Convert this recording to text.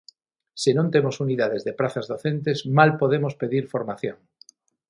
Se non temos unidades de prazas docentes, mal podemos pedir formación.